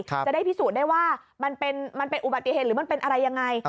จะได้พิสูจน์ได้ว่ามันเป็นอุบัติเหตุหรือมันเป็นอะไรยังไง